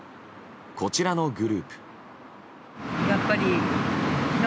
こちらのグループ。